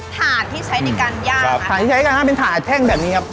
ถ่าที่ใช้ในการย่างอะถ่าที่ใช้ในการย่างอะเป็นถ่าแข้งแบบนี้ครับ